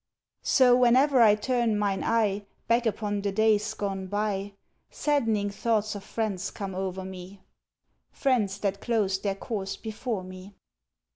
So, whene'er I turn mine eye Back upon the days gone by, Saddening thoughts of friends come o'er me, Friends that closed their course before me.